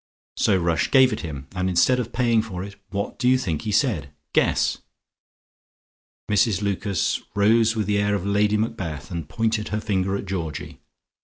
So Rush gave it him, and instead of paying for it, what do you think he said? Guess." Mrs Lucas rose with the air of Lady Macbeth and pointed her finger at Georgie.